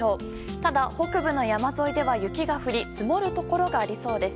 ただ、北部の山沿いでは雪が降り積もるところがありそうです。